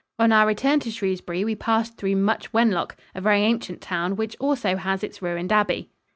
On our return to Shrewsbury, we passed through Much Wenlock, a very ancient town, which also has its ruined abbey.